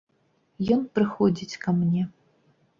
Ён прыходзіць ка мне.